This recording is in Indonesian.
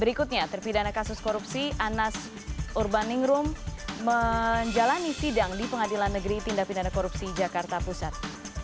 berikutnya terpidana kasus korupsi anas urbaningrum menjalani sidang di pengadilan negeri tindak pindahan korupsi jakarta pusat